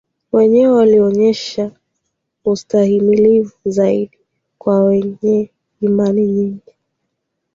wenyewe walionyesha ustahimilivu zaidi kwa wenye imani nyingine